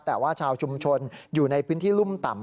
แต่ว่าชาวชุมชนอยู่ในพื้นที่รุ่มต่ำ